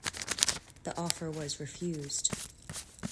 The offer was refused.